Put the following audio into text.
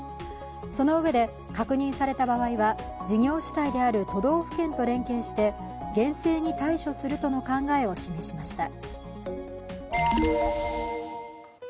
そのうえで、確認された場合は事業主体である都道府県と連携して厳正に対処するとの考えを示しました。